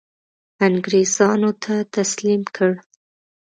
انګرېزانو ته تسلیم کړ.